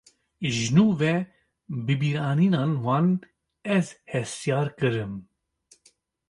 Ji nû ve bibîranîna wan, ez hestyar kirim